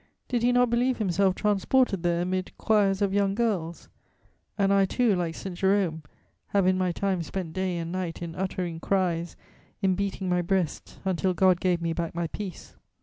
Did he not believe himself transported there amid 'choirs of young girls?' And I too, like St. Jerome, 'have in my time spent day and night in uttering cries, in beating my breast, until God gave me back my peace.'